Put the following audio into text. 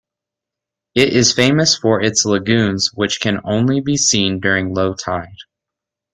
It is famous for its lagoons which can only be seen during low tide.